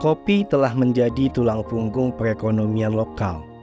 kopi telah menjadi tulang punggung perekonomian lokal